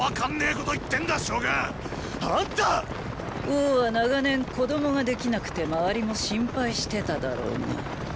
王は長年子供ができなくて周りも心配してただろーが。